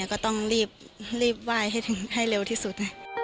ก็ต้องรีบไหว้ให้เร็วที่สุด